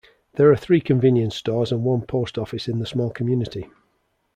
There are three convenience stores and one post office in the small community.